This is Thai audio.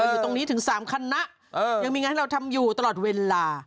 อยู่ตรงนี้ถึง๓คณะยังมีงานให้เราทำอยู่ตลอดเวลา